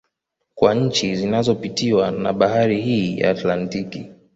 Kwa nchi zinazopitiwa na Bahari hii ya Atlantiki